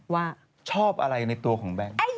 ว่าชอบอะไรในตัวของแบงค์